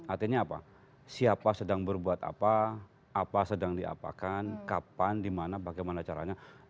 artinya apa siapa sedang berbuat apa apa sedang diapakan kapan dimana bagaimana caranya